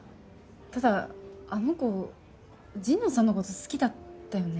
ただあの子神野さんのこと好きだったよね？